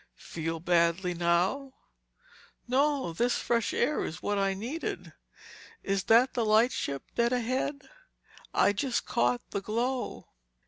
"Feel badly now?" "No, this fresh air is what I needed. Is that the lightship dead ahead? I just caught the glow."